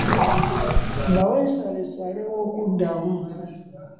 Bawe nsalessale w’okuddamu.